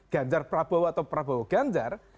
ganjar prabowo atau prabowo ganjar